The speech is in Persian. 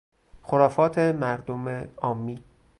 خرافات مردم عامی